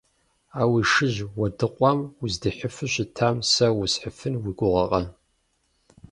А уи шыжь уэдыкъуам уздихьыфу щытам сэ усхьыфын уи гугъэкъэ?